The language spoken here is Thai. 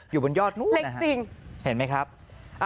อยู่บนยอดนู้นนะคะเห็นมั้ยครับเล็กจริง